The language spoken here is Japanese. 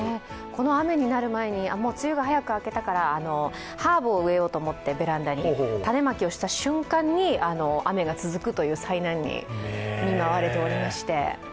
この雨になる前に、もう梅雨が早く明けたからベランダにハーブを植えようと思って種まきをした瞬間に雨が続くという災難に見舞われておりまして。